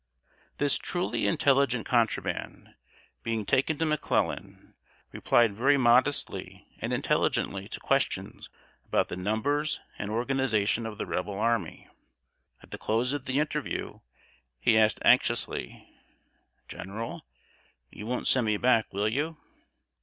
"] This truly intelligent contraband, being taken to McClellan, replied very modestly and intelligently to questions about the numbers and organization of the Rebel army. At the close of the interview, he asked anxiously: "General, you won't send me back, will you?"